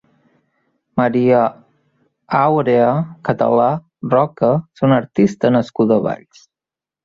Maria Àurea Català Roca és una artista nascuda a Valls.